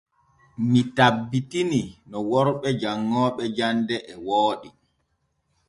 Mii tabbitini no worɓe janŋooɓe jande nen e wooɗi.